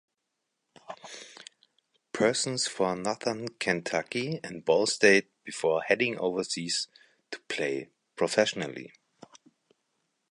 Persons for Northern Kentucky and Ball State before heading overseas to play professionally.